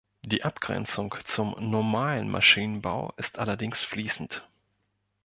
Die Abgrenzung zum ‚normalen‘ Maschinenbau ist allerdings fließend.